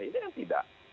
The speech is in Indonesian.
ini kan tidak